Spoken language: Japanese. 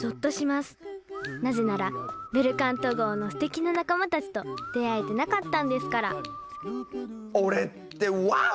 なぜならベルカント号のすてきな仲間たちと出会えてなかったんですから俺ってワオ！